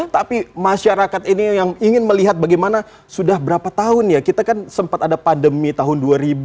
tapi masyarakat ini yang ingin melihat bagaimana sudah berapa tahun ya kita kan sempat ada pandemi tahun dua ribu